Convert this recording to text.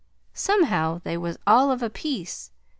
Somehow they was all of a piece.